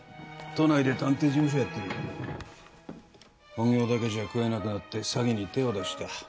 都内で探偵事務所をやってる本業だけじゃ食えなくなって詐欺に手を出した